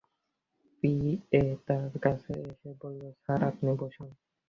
P A তাঁর কাছে এসে বলল, স্যার, আপনি বসুন।